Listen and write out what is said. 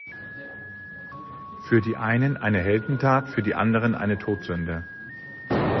Für die einen eine Heldentat, für die anderen ein Todsünde.